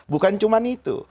bukan cuma itu